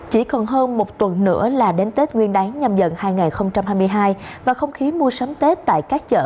chỉ còn hơn một tuần nữa là đến tết nguyên đáng nhầm dận hai nghìn hai mươi hai và không khí mua sắm tết tại các chợ